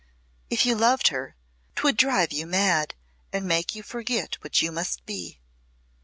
"If you loved her 'twould drive you mad and make you forget what you must be."